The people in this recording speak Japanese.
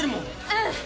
うん